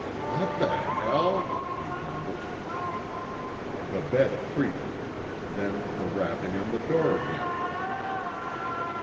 "What the hell?" he grumbled. The bed creaked. Then the rapping on the door again.